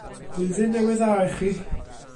Blwyddyn Newydd Dda i chwi!